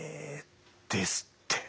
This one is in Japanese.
ですって。